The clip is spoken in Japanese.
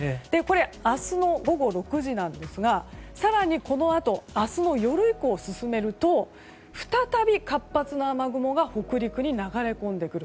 明日の午後６時なんですが更にこのあと明日の夜以降進めると再び、活発な雨雲が北陸に流れ込んでくる。